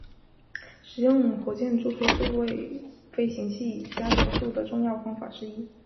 使用火箭助推是为飞行器加减速的重要方法之一。